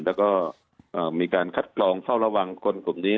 แล้วก็มีการคัดกรองเฝ้าระวังคนกลุ่มนี้